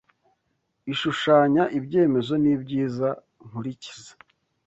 Ishushanya ibyemezo N'ibyiza nkurikiza